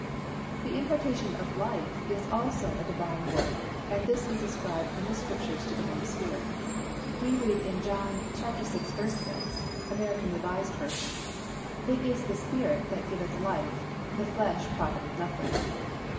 The impartation of life is also a Divine work and this is ascribed in the Scriptures to the Holy Spirit, We read in John vi. 6, A. R. V., "It is the Spirit that giveth life: the flesh profiteth nothing."